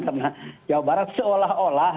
karena jawa barat seolah olah